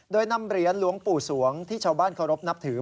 โดยนำเหรียญหลวงปู่สวงที่ชาวบ้านเคารพนับถือ